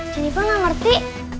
cini pun gak ngerti